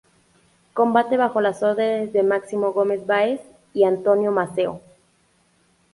Combate bajo las órdenes de Máximo Gómez Báez y Antonio Maceo.